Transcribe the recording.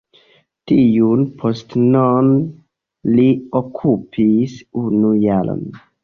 Tiun postenon li okupis unu jaron.